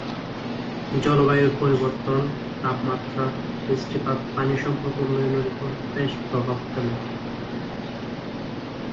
জলবায়ুর পরিবর্তন, তাপমাত্রা, বৃষ্টিপাত প্রাণিসম্পদ উন্নয়নের ওপর বেশ প্রভাব ফেলে।